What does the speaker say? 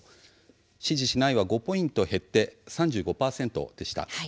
支持しないは５ポイント減って３５％でした。